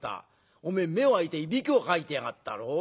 おめえ目を開いてイビキをかいてやがったろう？